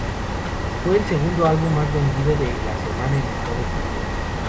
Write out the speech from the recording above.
Fue el segundo álbum más vendido de la semana en Estados Unidos.